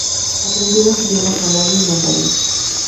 Aprendió los idioma malayo y mandarín.